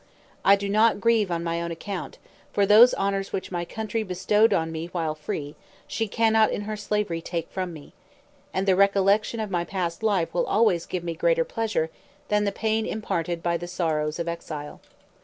I do not grieve on my own account; for those honors which my country bestowed upon me while free, she cannot in her slavery take from me; and the recollection of my past life will always give me greater pleasure than the pain imparted by the sorrows of exile.